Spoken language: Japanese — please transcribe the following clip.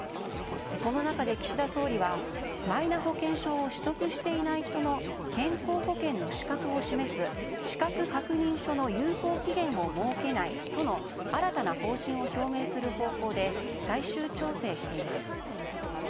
この中で、岸田総理はマイナ保険証を取得していない人の健康保険の資格を示す資格確認書の有効期限を設けないとの新たな方針を表明する方向で最終調整しています。